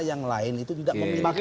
yang lain itu juga memiliki